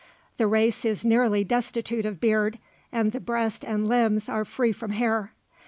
The face is nearly destitute of beard, and the breast and limbs are free from hair.